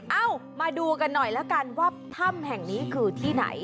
เอ้ามาดูกันหน่อยแล้วกันว่าถ้ำแห่งนี้คือที่ไหน